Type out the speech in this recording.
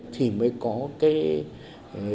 thì mới có cái